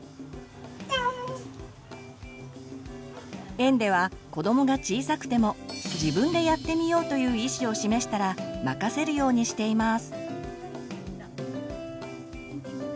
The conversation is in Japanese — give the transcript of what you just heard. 園では子どもが小さくてもという意思を示したら任せるようにしています。